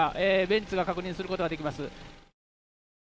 ベンツを確認することができます。